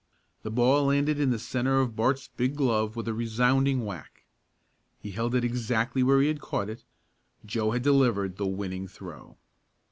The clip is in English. The ball landed in the centre of Bart's big glove with a resounding whack. He held it exactly where he had caught it. Joe had delivered the winning throw.